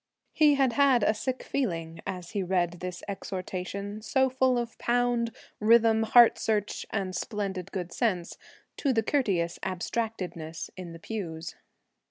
He had had a sick feeling, as he read this exhortation, so full of pound, rhythm, heart search, and splendid good sense, to the courteous abstractedness in the pews.